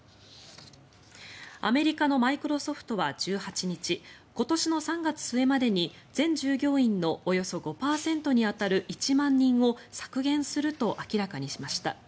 アメリカのマイクロソフトは１８日今年の３月末までに全従業員のおよそ５％に当たる１万人を削減すると明らかにしました。